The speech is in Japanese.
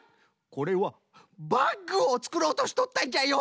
これはバッグをつくろうとしとったんじゃよ！